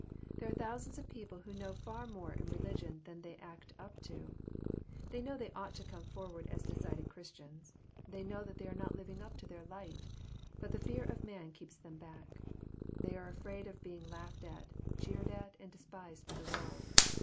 There are thousands of people who koow far more in religion then they act up to. They know they ought to come fOTward as decided Christians, They know that they are not living up to th^ light. But the fear pf man keeps them back. They are afraid of being laughed at. Jeered at, and despised by the world.